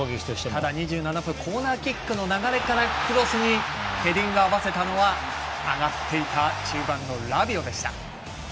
ただ２７分コーナーキックの流れからクロスにヘディング合わせたのは上がっていた中盤のラビオでした。